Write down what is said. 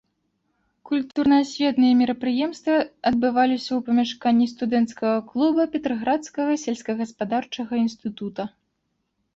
Культурна-асветныя мерапрыемствы адбываліся ў памяшканні студэнцкага клуба петраградскага сельскагаспадарчага інстытута.